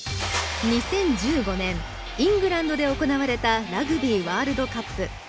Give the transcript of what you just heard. ２０１５年イングランドで行われたラグビーワールドカップ。